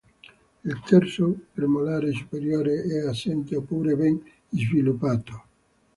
Il terzo premolare superiore è assente oppure ben sviluppato.